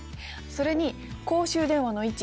それに公衆電話の位置。